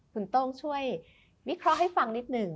คุณโต้งช่วยวิเคราะห์ให้ฟังนิดหนึ่ง